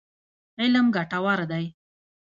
علم ګټور دی.